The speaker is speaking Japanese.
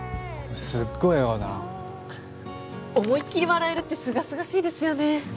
すっごい笑顔だな思いっきり笑えるってすがすがしいですよね